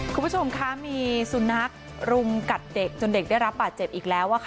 คุณผู้ชมคะมีสุนัขรุมกัดเด็กจนเด็กได้รับบาดเจ็บอีกแล้ว